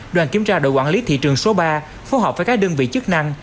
đoàn kiểm tra đội quản lý thị trường số ba phù hợp với các đơn vị chức năng